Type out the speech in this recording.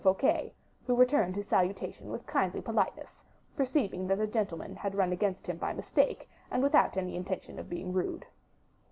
Fouquet, who returned his salutation with kindly politeness, perceiving that the gentleman had run against him by mistake and without any intention of being rude.